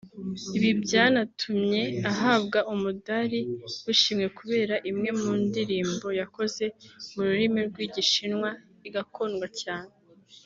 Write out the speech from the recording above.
Ibi byanatumye ahabwa umudari w’ishimwe kubera imwe mu ndirimbo yakoze mu rurimi rw'igishinwa igakundwa cyane